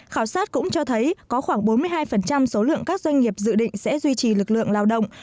khảo sát cũng cho thấy có khoảng bốn mươi hai số lượng các doanh nghiệp dự định sẽ duy trì lực lượng lao động